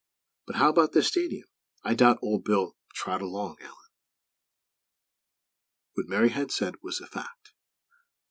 "But how about this stadium? I'm doubting Old B " "Trot along, Allan." What Mary had said was a fact.